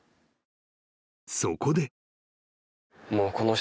［そこで］